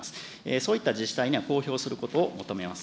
そういった自治体には公表することを求めます。